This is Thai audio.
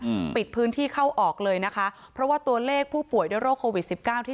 อืมปิดพื้นที่เข้าออกเลยนะคะเพราะว่าตัวเลขผู้ป่วยด้วยโรคโควิดสิบเก้าที่